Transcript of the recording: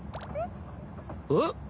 えっ？